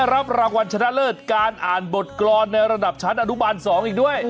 รับรางวัลชนะเลิศการอ่านบทกรรมในระดับชั้นอนุบาล๒อีกด้วย